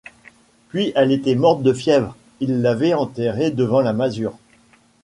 Puis elle était morte de fièvre, il l’avait enterrée devant la masure.